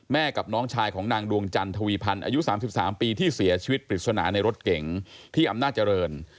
กับน้องชายของนางดวงจันทวีพันธ์อายุ๓๓ปีที่เสียชีวิตปริศนาในรถเก๋งที่อำนาจเจริญ